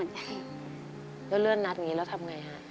แล้วเลื่อนนัดอย่างนี้แล้วทำไงฮะ